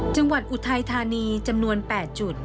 จังหวัดอุดรธานีจำนวน๘จุด